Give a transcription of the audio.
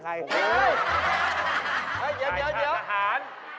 ชายชาติอาหาร